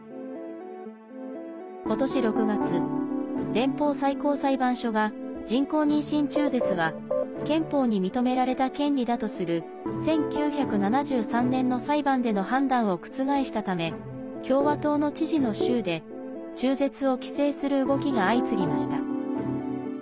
今年６月、連邦最高裁判所が人工妊娠中絶は憲法に認められた権利だとする１９７３年の裁判での判断を覆したため共和党の知事の州で、中絶を規制する動きが相次ぎました。